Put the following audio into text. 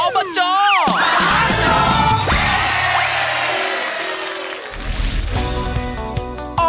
อบจมหาสนุก